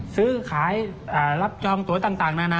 ซื้อขายรับจองตัวต่างนานา